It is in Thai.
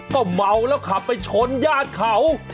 ก็เมาแล้วขับไปชนญาติเขา